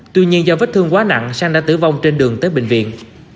tuy nhiên do vết thương quá nặng sang đã tử vong trên đường tới bệnh viện